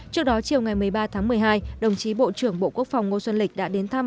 trước đó chiều ngày một mươi ba tháng một mươi hai đồng chí bộ trưởng bộ quốc phòng ngô xuân lịch đã đến thăm